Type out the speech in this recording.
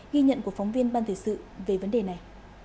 ghi nhận của phóng viên ban thể sự về vấn đề này